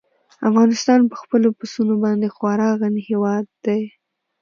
افغانستان په خپلو پسونو باندې خورا غني هېواد دی.